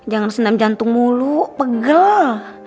jangan senam jantung mulu pegel